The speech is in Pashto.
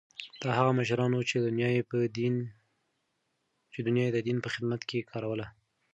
دا هغه مشران وو چې دنیا یې د دین په خدمت کې کاروله.